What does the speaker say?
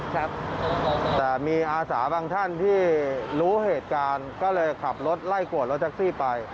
ครับแต่มีอาสาบางท่านที่รู้เหตุการณ์ก็เลยขับรถไล่กวดรถแท็กซี่ไป